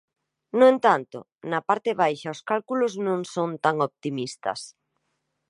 No entanto, na parte baixa os cálculos non son tan optimistas.